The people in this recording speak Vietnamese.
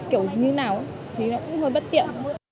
thì nó cũng hơi bất tiện